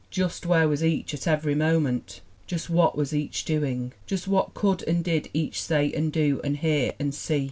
Just where was each at every moment? Just what was each doing? Just what could, and did, each say and do and hear and see?